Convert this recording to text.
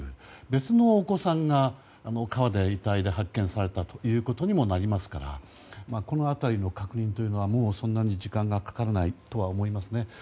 別のお子さんが川で遺体で発見されたということにもなりますからこの辺りの確認はもう、そんなに時間がかからないとは思いますね。